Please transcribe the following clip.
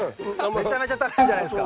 めちゃめちゃ食べるじゃないですか。